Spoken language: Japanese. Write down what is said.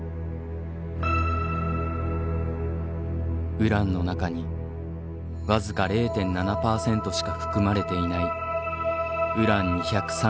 ウランの中に僅か０．７％しか含まれていないウラン２３５。